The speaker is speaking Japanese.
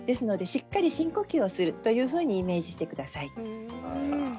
しっかり深呼吸をするというふうにイメージしてください。